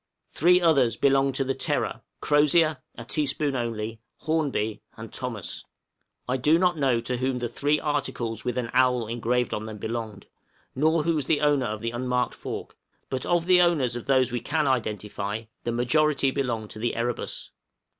Three others belonged to the 'Terror,' Crozier, (a teaspoon only), Hornby, and Thomas. I do not know to whom the three articles with an owl engraved on them belonged, nor who was the owner of the unmarked fork, but of the owners of those we can identify, the majority belonged to the 'Erebus.'